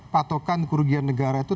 patokan kerugian negara itu